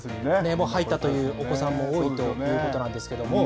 もう入ったというお子さんも多いということなんですけれども。